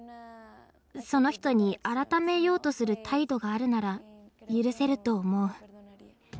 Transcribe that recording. その人に改めようとする態度があるなら許せると思う。